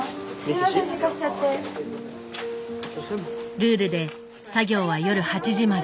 ルールで作業は夜８時まで。